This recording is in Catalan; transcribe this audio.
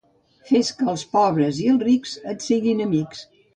Fes que els pobres i els rics et siguin amics.